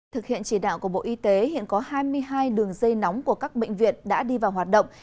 thực hiện chỉ đạo của bộ y tế hiện có hai mươi hai đường dây nóng của các bệnh viện đã đi vào hoạt động